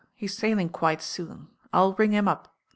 He's saUing quite soon. I'U ring him up.